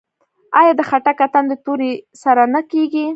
آیا د خټک اتن د تورې سره نه کیږي؟